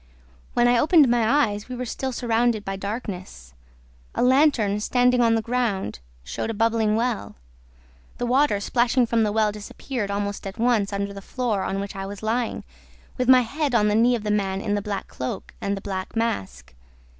"When I opened my eyes, we were still surrounded by darkness. A lantern, standing on the ground, showed a bubbling well. The water splashing from the well disappeared, almost at once, under the floor on which I was lying, with my head on the knee of the man in the black cloak and the black mask.